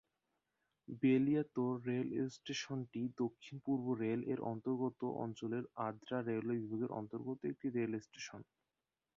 Beliatore railway স্টেশনটি দক্ষিণ পূর্ব রেল এর অন্তর্গত অঞ্চলের আদ্রা রেলওয়ে বিভাগের অন্তর্গত একটি রেল স্টেশন।